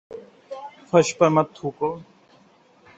فرش پر مت تھوکو